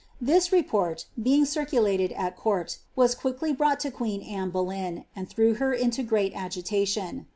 This repoit, being circulated at court, was quickly brought to queen Anne Boleya, and threw her into great agitation.